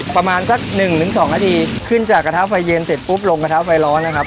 ประมาณสักหนึ่งถึงสองนาทีขึ้นจากกระทะไฟเย็นเสร็จปุ๊บลงกระทะไฟร้อนนะครับ